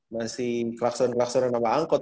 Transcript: masih kelakson kelaksonan sama angkot